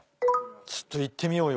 ちょっといってみようよ